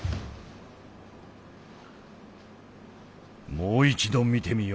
もう一度見てみよう。